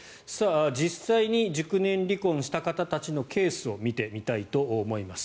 実際に熟年離婚した方たちのケースを見てみたいと思います。